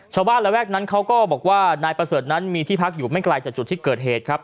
ระแวกนั้นเขาก็บอกว่านายประเสริฐนั้นมีที่พักอยู่ไม่ไกลจากจุดที่เกิดเหตุครับ